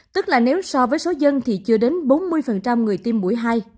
tức là nếu so với số dân thì chưa đến bốn mươi người tiêm mũi hai